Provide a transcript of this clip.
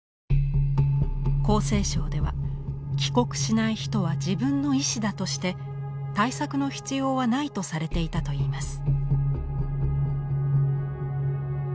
厚生省では帰国しない人は自分の意思だとして対策の必要はないとされていたといいます。